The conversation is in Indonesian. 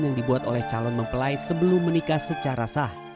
yang dibuat oleh calon mempelai sebelum menikah secara sah